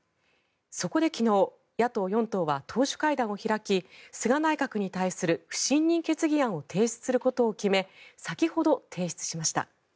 そこで昨日、野党４党は党首会談を開き菅内閣に対する不信任決議案を提出することを決め先ほど、提出しました。